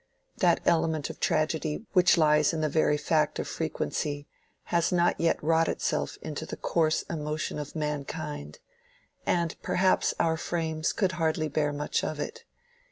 That element of tragedy which lies in the very fact of frequency, has not yet wrought itself into the coarse emotion of mankind; and perhaps our frames could hardly bear much of it.